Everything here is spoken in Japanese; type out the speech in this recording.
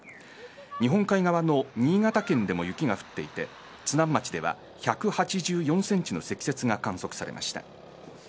日本海側の新潟県でも雪が降っていて津南町では１８４センチの積雪が観測されました。